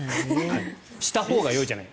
したほうがよいじゃない。